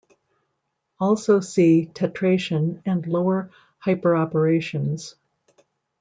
Also see tetration and lower hyperoperations.